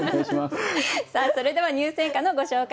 さあそれでは入選歌のご紹介です。